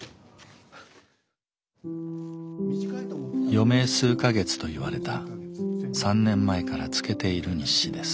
余命数か月と言われた３年前からつけている日誌です。